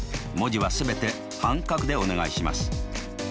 文字は全て半角でお願いします。